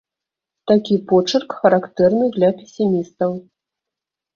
Такі почырк характэрны для песімістаў.